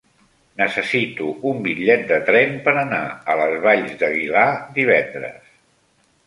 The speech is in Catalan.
Necessito un bitllet de tren per anar a les Valls d'Aguilar divendres.